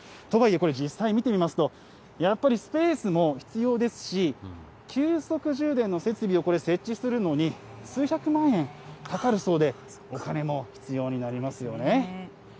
とはいえ、実際これ見てみますと、やっぱりスペースも必要ですし、急速充電の設備を設置するのに、数百万円かかるそうで、お金も必要になりますよね。